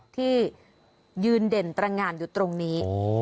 ที่ยืนเด่นตรงานอยู่ตรงนี้